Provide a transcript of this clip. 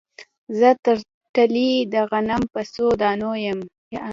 زه ترټلي د غنم په څو دانو یم